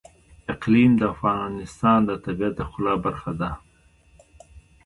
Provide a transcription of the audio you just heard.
اقلیم د افغانستان د طبیعت د ښکلا برخه ده.